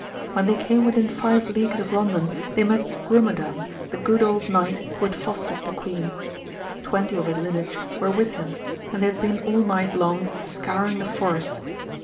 When they came within five leagues of London they met Grumedan, the good old knight who had fostered the queen ; twenty of his lineage were with him, and they had been all night long scouring the forest.